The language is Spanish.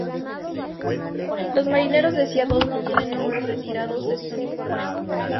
Los Marineros de Seattle no tienen números retirados de sus uniformes.